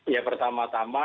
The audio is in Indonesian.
ya pertama tama yang pertama